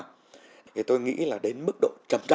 thì tôi nghĩ là đến mức độ